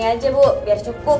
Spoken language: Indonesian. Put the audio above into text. aja bu biar cukup